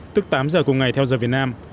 tức tám giờ cùng ngày theo giờ việt nam